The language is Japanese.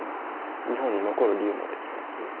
日本に残る理由もできたし。